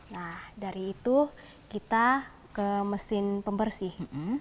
nah dari itu kita ke mesin pembersih